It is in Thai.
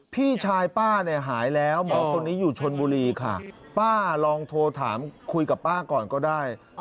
พี่ชายป้าเนี่ยหายแล้วหมอคนนี้อยู่ชนบุรีค่ะป้าลองโทรถามคุยกับป้าก่อนก็ได้